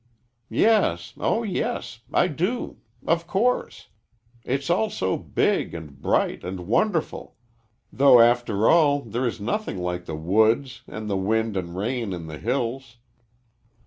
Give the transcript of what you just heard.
"Yes, oh, yes; I do, of course! It's all so big and bright and wonderful, though after all there is nothing like the woods, and the wind and rain in the hills."